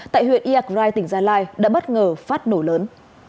tại huyện iagrai tỉnh gia lai đã bất ngờ phát nổ lớn